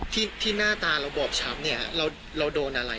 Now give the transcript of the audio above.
ที่หน้าตาเราบอบช้ำเนี่ยเราโดนอะไร